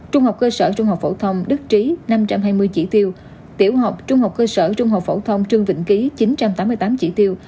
trung học cơ sở trung học phổ thông đức trí năm trăm hai mươi chỉ tiêu tiểu học trung học cơ sở trung học phổ thông trương vĩnh ký chín trăm tám mươi tám chỉ tiêu